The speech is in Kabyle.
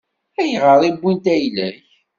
Ayɣer i wwint ayla-k?